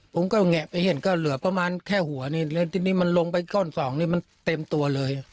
ผมก็แงะไปเห็นก็เหลือประมาณแค่หัวนี่แล้วทีนี้มันลงไปก้อนสองนี่มันเต็มตัวเลย